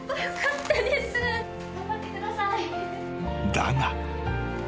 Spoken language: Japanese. ［だが］